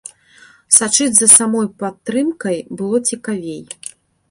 Сачыць за самой падтрымкай было цікавей.